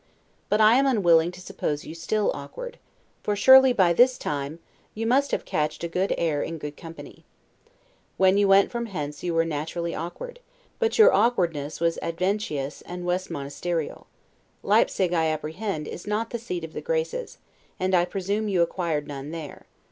But I am unwilling to suppose you still awkward; for surely, by this time, you must have catched a good air in good company. When you went from hence you were naturally awkward; but your awkwardness was adventitious and Westmonasterial. Leipsig, I apprehend, is not the seat of the Graces; and I presume you acquired none there.